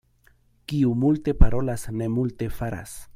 Kiu multe parolas, ne multe faras.